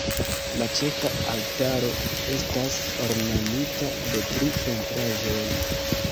La ĉefa altaro estas ornamita de tri pentraĵoj.